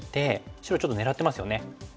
白ちょっと狙ってますよね。